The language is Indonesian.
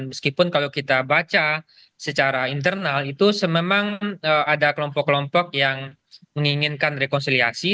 meskipun kalau kita baca secara internal itu memang ada kelompok kelompok yang menginginkan rekonsiliasi